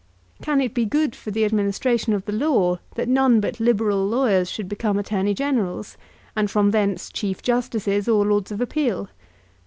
Can it be good for the administration of the law that none but Liberal lawyers should become Attorney Generals, and from thence Chief Justices or Lords of Appeal?